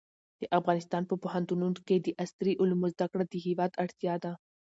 د افغانستان په پوهنتونونو کې د عصري علومو زده کړه د هېواد اړتیا ده.